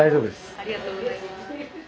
ありがとうございます。